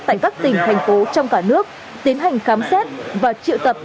tại các tỉnh thành phố trong cả nước tiến hành khám xét và triệu tập